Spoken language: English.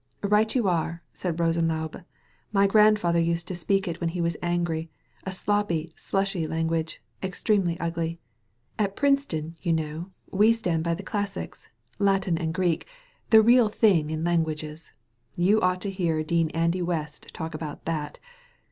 "Right you are/* said Rosenlaube. "My grand father used to speak it when he was angry = a sloppy, slushy language, extremely ugly. At Princeton, you know, we stand by the classics, Latin and Greek, the real thing in languages. You ought to hear Dean Andy West talk about that.